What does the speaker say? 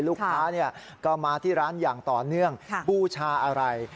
ลูกค้าก็มาที่ร้านอย่างต่อเนื่องบูชาอะไร